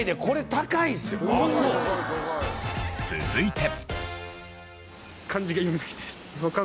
続いて。